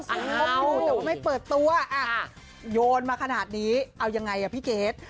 คบอยู่แต่ว่าไม่เปิดตัวโยนมาขนาดนี้เอายังไงอ่ะพี่เกด